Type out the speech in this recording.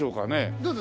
どうぞ。